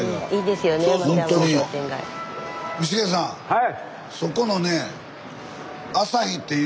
はい。